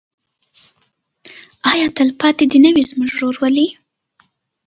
آیا تلپاتې دې نه وي زموږ ورورولي؟